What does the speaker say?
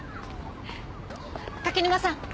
柿沼さん。